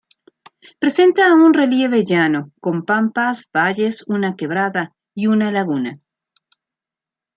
Presenta un relieve llano, con pampas, valles, una quebrada y una laguna.